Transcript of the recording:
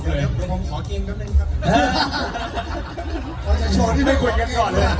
เดี๋ยวผมขอเกงก่อนเลยครับ